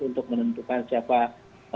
untuk menentukan siapa cawapres kedepannya